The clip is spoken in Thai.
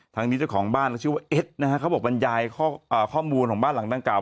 ทางนี้เจ้าของบ้านชื่อว่าเอ็ดนะฮะเขาบอกบรรยายข้อมูลของบ้านหลังดังกล่า